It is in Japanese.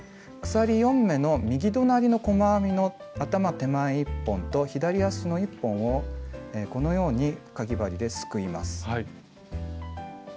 鎖４目の右隣の細編みの頭手前１本と左足の１本をこのようにかぎ針ですくいます。